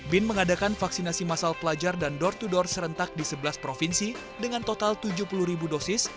bin mengadakan vaksinasi masal pelajar dan door to door serentak di sebelas provinsi dengan total tujuh puluh ribu dosis